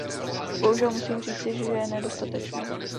Bohužel musím říci, že nedostatečnou.